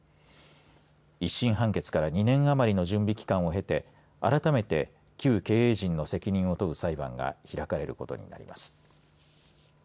１審判決から２年余りの準備期間を経て改めて旧経営陣の責任を問う裁判が開かれることになります。